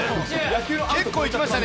結構いきましたね。